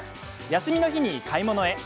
休みの日に買い物へ。